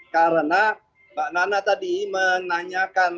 karena mbak nana tadi menanyakan